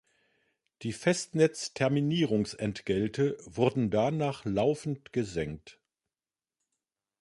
Die Festnetz-Terminierungsentgelte wurden danach laufend gesenkt.